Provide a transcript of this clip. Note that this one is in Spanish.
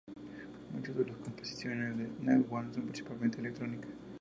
Muchas de las composiciones de Newman son principalmente electrónicas.